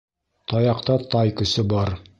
Таяҡта тай көсө бар.